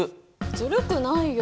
ずるくないよ。